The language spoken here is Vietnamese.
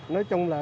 nói chung là